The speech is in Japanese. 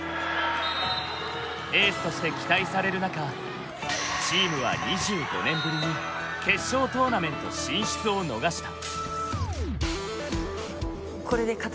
エースとして期待される中チームは２５年ぶりに決勝トーナメント進出を逃した。